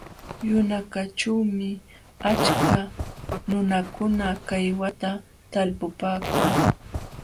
Yunakaćhuumi achka nunakuna kaywata talpupaakun.